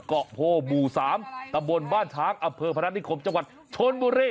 เกาะโพบู๋สามตะบนบ้านทางอเภอพนัดดิคมจังหวัดชนบุรี